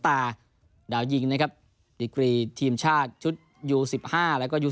ดาวยิงนะครับดิกรีทีมชาติชุดยูสิบห้าแล้วก็ยู